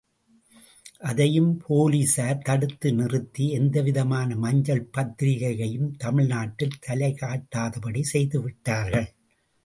அதையும் போலீஸார் தடுத்து நிறுத்தி எந்தவிதமான மஞ்சள் பத்திரிகையையும் தமிழ் நாட்டில் தலைகாட்டாதபடி செய்துவிட்டார்கள்.